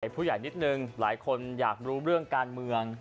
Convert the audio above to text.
ผู้ใหญ่นิดนึงหลายคนอยากรู้เรื่องการเมือง